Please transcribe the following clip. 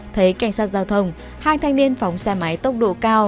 thấy cảnh sát giao thông hai thanh niên phóng xe máy tốc độ cao